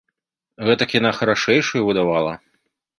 Гэтак яна харашэйшаю выдавала.